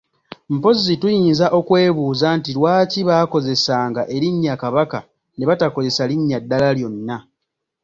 Mpozzi tuyinza okwebuuza nti lwaki baakozesanga erinnya Kabaka ne batakozesa linnya ddala lyonna?